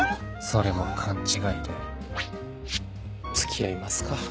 それも勘違いで付き合いますか。